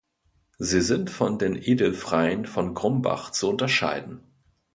Sie sind von den Edelfreien von Grumbach zu unterscheiden.